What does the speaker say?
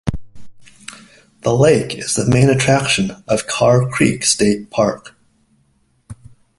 The lake is the main attraction of Carr Creek State Park.